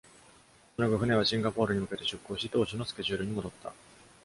その後、船はシンガポールに向けて出航し、当初のスケジュールに戻った。